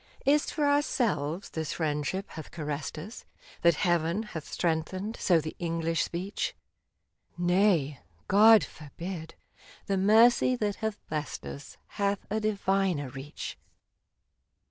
Is 't for ourselves this friendship hath caressed us —* That Heaven hath strengthened so the English speech ? Nay ; God forbid ! the mercy that hath blessed us Hath a diviner reach